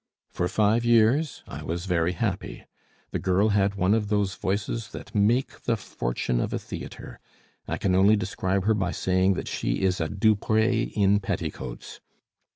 For five years I was very happy. The girl had one of those voices that make the fortune of a theatre; I can only describe her by saying that she is a Duprez in petticoats.